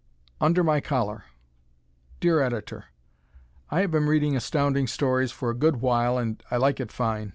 "Under My Collar" Dear Editor: I have been reading Astounding Stories for a good while and I like it fine.